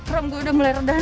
rum gue udah mulai redahan